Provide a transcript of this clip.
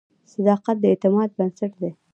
• صداقت د اعتماد بنسټ دی.